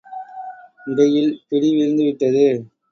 இடையில் பிடி வீழ்ந்துவிட்டது.